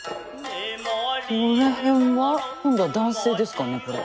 この辺は今度は男性ですかねこれ。